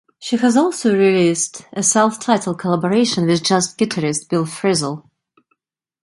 She has also released a self-titled collaboration with jazz guitarist Bill Frisell.